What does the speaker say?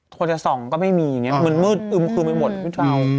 คนเจ้าส่องก็ไม่มีเหมือนมืดอึมคือไปหมดพี่เจ้า